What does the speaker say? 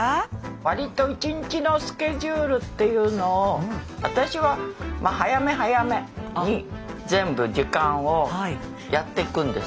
割と一日のスケジュールっていうのを私は早め早めに全部時間をやっていくんです。